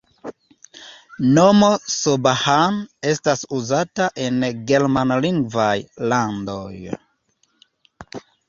Nomo S-Bahn estas uzata en germanlingvaj landoj.